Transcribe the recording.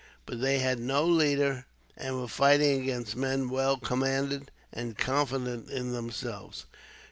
But they had no leader, and were fighting against men well commanded, and confident in themselves.